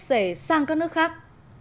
sẽ sang các nước khác